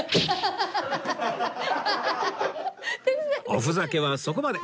おふざけはそこまで